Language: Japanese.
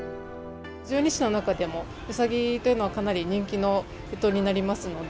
十二支の中でもうさぎというのはかなり人気のえとになりますので。